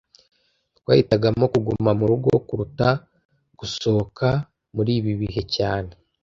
Twahitamo kuguma murugo kuruta gusohoka muri ibi bihe cyane